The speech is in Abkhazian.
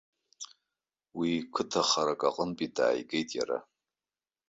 Уи қыҭа харак аҟынтәи дааигеит иара.